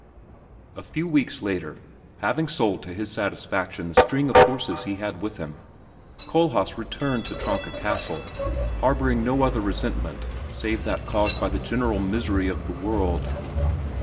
A few weeks later, having sold to his satisfaction the string of horses he had with him, Kohlhaas returned to Tronka Castle harboring no other resentment save that caused by the general misery of the world.